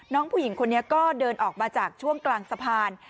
น้องผู้หญิงคนนี้ก็เดินออกมาจากช่วงกลางสะพาน